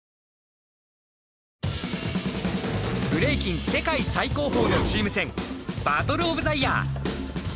ブレイキン世界最高峰のチーム戦バトルオブザイヤー。